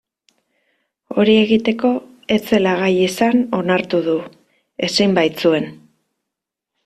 Hori egiteko ez zela gai izan onartu du, ezin baitzuen.